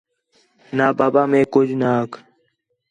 نہ بابا میک کُج نہ آکھ